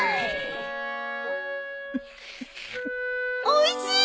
おいしい！